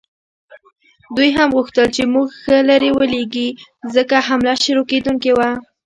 دوی هم غوښتل چې موږ ښه لرې ولیږي، ځکه حمله شروع کېدونکې وه.